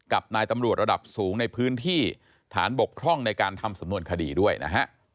กับนายตำรวจระดับสูงในพื้นที่ฐานบกพร่องในการทำสำนวนคดีด้วยนะฮะ